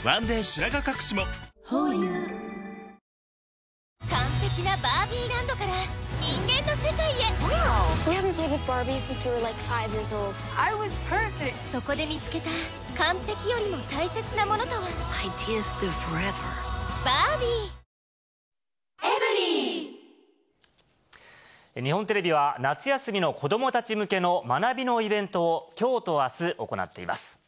白髪かくしもホーユー日本テレビは、夏休みの子どもたち向けの学びのイベントを、きょうとあす、行っています。